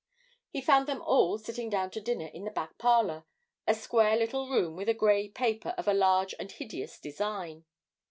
He found them all sitting down to dinner in the back parlour, a square little room with a grey paper of a large and hideous design.